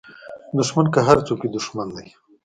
دوښمن که هر څوک وي دوښمن دی